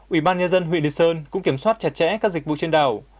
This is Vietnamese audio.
ủy ban nhà dân huyện địa sơn cũng kiểm soát chặt chẽ các dịch vụ trên đảo